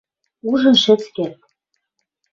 Ужын шӹц керд.